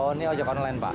oh ini jepang lain pak